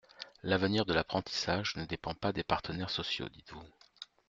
L’avenir de l’apprentissage ne dépend pas des partenaires sociaux, dites-vous.